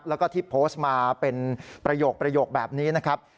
แล้วก็ที่โพสต์มาเป็นประโยคแบบนี้นะครับ